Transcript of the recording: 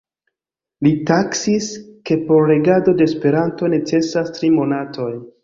li taksis ke por regado de Esperanto necesas tri monatoj.